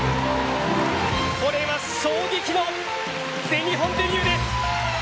これは衝撃の全日本デビューです。